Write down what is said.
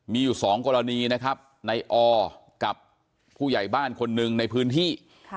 มีอยู่สองกรณีนะครับในอกับผู้ใหญ่บ้านคนหนึ่งในพื้นที่